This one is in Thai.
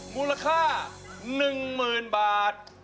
มูลค่า๑หมื่นบาท